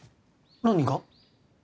何が？